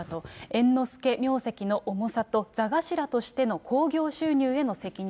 猿之助名跡の重さと座頭としての興行収入への責任。